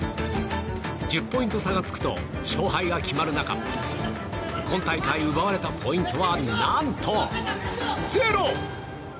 １０ポイント差がつくと勝敗が決まる中今大会奪われたポイントは何とゼロ！